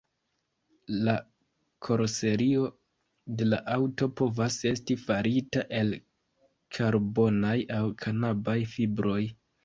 La karoserio de la aŭto povas esti farita el karbonaj aŭ kanabaj fibroj.